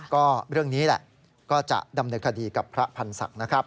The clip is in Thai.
ก็เรื่องนี้แหละก็จะดำเนินคดีกับพระพันธ์ศักดิ์นะครับ